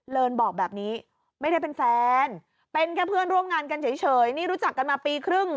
เลินบอกแบบนี้ไม่ได้เป็นแฟนเป็นแค่เพื่อนร่วมงานกันเฉยนี่รู้จักกันมาปีครึ่ง